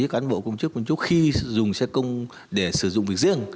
các cán bộ công chức công chức khi dùng xe công để sử dụng việc riêng